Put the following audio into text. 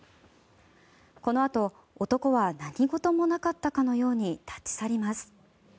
このあと男は何事もなかったかのように立ち去ります。